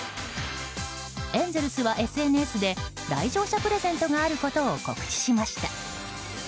エンゼルスは、ＳＮＳで来場者プレゼントがあることを告知しました。